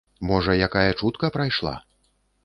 Можа якая чутка прайшла?